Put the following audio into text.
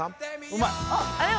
うまい！